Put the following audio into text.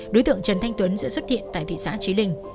đối tượng trần thanh tuấn sẽ xuất hiện tại thị xã trí linh